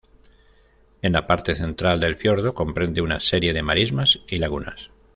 En la parte central del fiordo comprende una serie de marismas y lagunas.